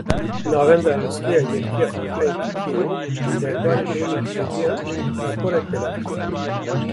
Navenda Rîskê ya Yekîtiya Bankayên Tirkiyeyê derbarê deynên krediyan raporek belav kir.